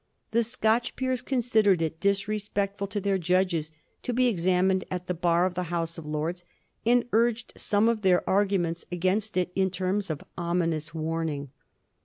The Scotch peers considered it disrespectful to their judges to be examined at the Bar of the House of Lords, and urged some of their arguments against it in terms of ominous warning.